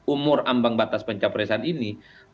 umur ambang batas pencapresan ini